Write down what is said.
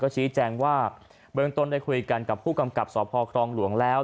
ชี้แจงว่าเบื้องต้นได้คุยกันกับผู้กำกับสพครองหลวงแล้ว